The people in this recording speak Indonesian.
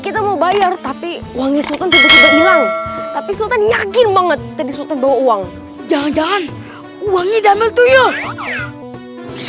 kita mau bayar tapi tapi sultan yakin banget tadi sudah doang jangan jangan uangnya damai